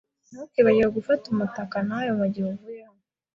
Ntukibagirwe gufata umutaka wawe mugihe uvuye hano.